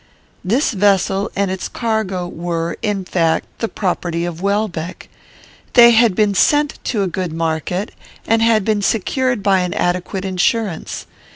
"This vessel and its cargo were, in fact, the property of Welbeck. They had been sent to a good market, and had been secured by an adequate insurance.